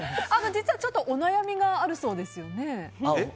実はちょっとお悩みがあるそうですよね。